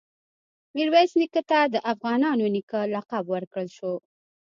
میرویس نیکه ته د “افغانانو نیکه” لقب ورکړل شو.